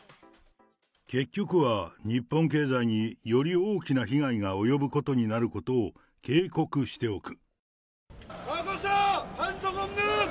結局は、日本経済により大きな被害が及ぶことになることを警告しておく。